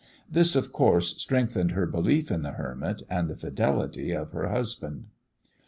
This, of course, strengthened her belief in the hermit and the fidelity of her husband.